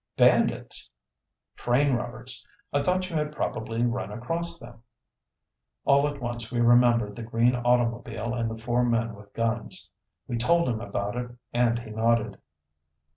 "Bandits!" "Train robbers. I thought you had probably run across them." All at once we remembered the green automobile and the four men with guns. We told him about it and he nodded.